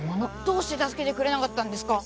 「どうして助けてくれなかったんですか？」